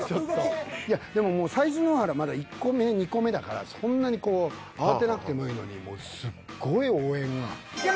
いやでももう最初の方はまだ１個目２個目だからそんなにこう慌てなくてもいいのにもう指示というか。